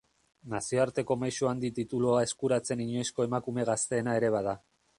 Nazioarteko maisu handi titulua eskuratzen inoizko emakume gazteena ere bada.